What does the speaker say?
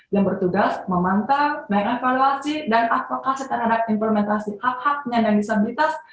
yang bertugas memantau mengevaluasi dan advokasi terhadap implementasi hak hak penyandang disabilitas